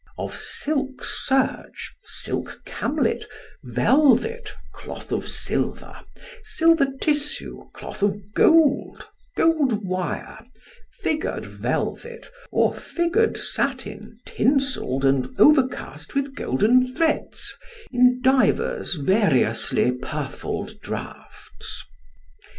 of silk serge, silk camlet, velvet, cloth of silver, silver tissue, cloth of gold, gold wire, figured velvet, or figured satin tinselled and overcast with golden threads, in divers variously purfled draughts.